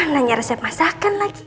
nanya resep masakan lagi